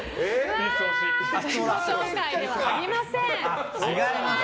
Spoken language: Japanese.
自己紹介ではありませんでした。